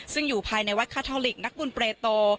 ซึ่งอยู่ภายในวัดคาทอลิกนักบุญเปรโต